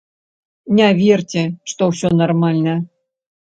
Не верце, што ўсё нармальна.